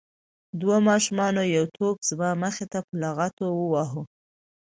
دوو ماشومانو یو توپ زما مخې ته په لغتو وواهه.